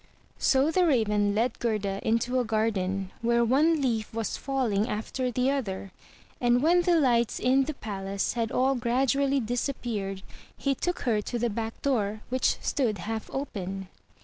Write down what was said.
So the Raven led Gerda into a garden, where one leaf was falling after the other; and when the lights in the palace had all gradually disappeared, he took her to the back door, which stood half open.